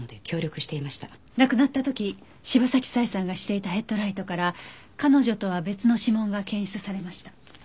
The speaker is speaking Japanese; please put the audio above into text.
亡くなった時柴崎佐江さんがしていたヘッドライトから彼女とは別の指紋が検出されました。